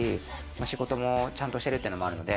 仕事もちゃんとしてるというのもあるので。